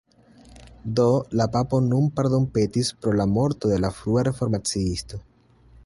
Do, la papo nun pardonpetis pro la morto de la frua reformaciisto.